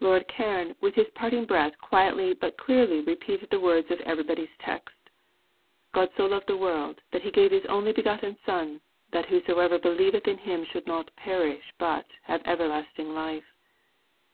Lord Cairns, with his parting breath, quietly but clearly repeated the words of Everybody's Text. _God so loved the world that He gave His only begotten Son that whosoever believeth in Him should not perish but have everlasting life.